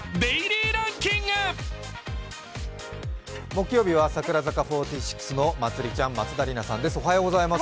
木曜日は櫻坂４６のまつりちゃんこと松田里奈ちゃんです。